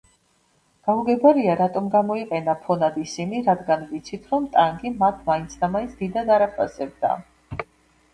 გაუგებარია რატომ გამოიყენა ფონად ისინი, რადგან ვიცით, რომ ტანგი მათ მაინცდამაინც დიდად არ აფასებდა.